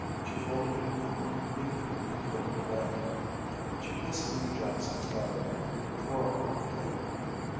She folded her mending neatly and put it away. She placed Minnie Jackson's letter in the drawer of the table.